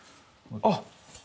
あっ！